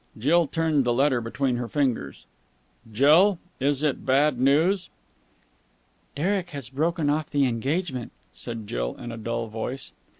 Jill turned the letter between her fingers. "Jill, is it bad news?" "Derek has broken off the engagement," said Jill in a dull voice.